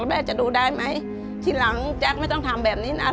แม่จะดูได้ไหมทีหลังแจ๊คไม่ต้องทำแบบนี้นะ